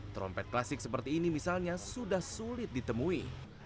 trompet klasik seperti ini misalnya sudah sulit ditemui